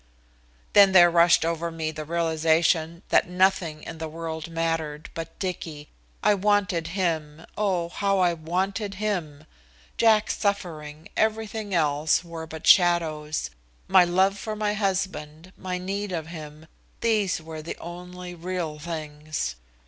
Then there rushed over me the realization that nothing in the world mattered but Dicky. I wanted him, oh how I wanted him! Jack's suffering, everything else, were but shadows. My love for my husband, my need of him these were the only real things.